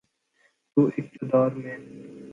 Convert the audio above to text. تو اقتدار میں۔